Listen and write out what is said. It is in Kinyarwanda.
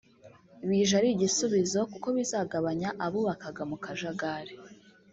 bije ari igisubizo kuko bizagabanya abubakaga mu kajagali